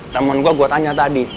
temen gua gua tanya tadi